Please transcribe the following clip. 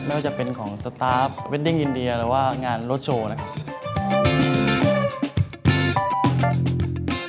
ไม่ว่าจะเป็นของสตาร์ฟเวดดิ้งอินเดียหรือว่างานรถโชว์นะครับ